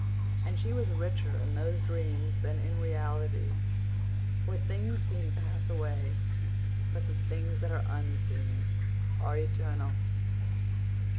And she was richer in those dreams than in realities; for things seen pass away, but the things that are unseen are eternal.